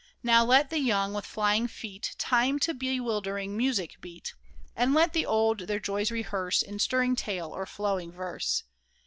Now let the young, with flying feet Time to bewildering music beat, And let the old their joys rehearse In stirring tale, or flowing verse